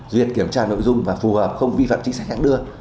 duyệt kiểm tra nội dung và phù hợp không vi phạm chính sách khác đưa